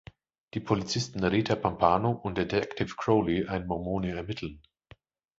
Die Polizisten Rita Pompano und Detective Crowley, ein Mormone, ermitteln.